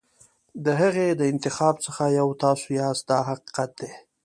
د هغې د انتخاب څخه یو تاسو یاست دا حقیقت دی.